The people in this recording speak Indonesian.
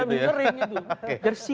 iya minterin gitu